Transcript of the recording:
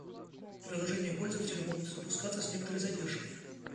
Приложения пользователя могут запускаться с некоторой задержкой